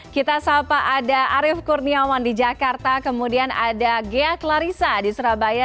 kita sapa ada arief kurniawan di jakarta kemudian ada ghea klarissa di surabaya